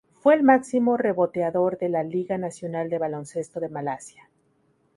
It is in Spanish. Fue el máximo reboteador de la "Liga Nacional de Baloncesto de Malasia".